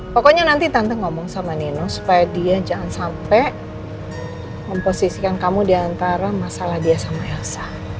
pokoknya nanti tante ngomong sama nino supaya dia jangan sampai memposisikan kamu diantara masalah dia sama elsa